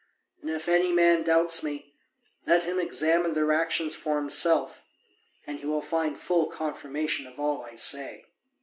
And if any man doubts me, let him examine their actions for himself, and he will find full confirmation of all I say.